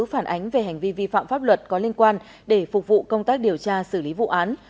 phản ánh về hành vi vi phạm pháp luật có liên quan để phục vụ công tác điều tra xử lý vụ án